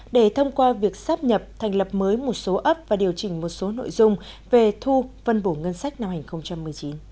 để thông qua việc sắp nhập thành lập mới một số ấp và điều chỉnh một số nội dung về thu phân bổ ngân sách năm hai nghìn một mươi chín